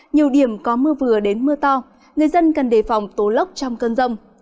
nhiều điểm có mưa vừa đến mưa to người dân cần đề phòng tố lốc trong cơn rông